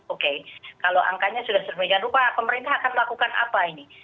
oke kalau angkanya sudah serba yang lupa pemerintah akan melakukan apa ini